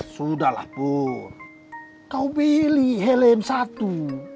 sudahlah purr kau beli helm satu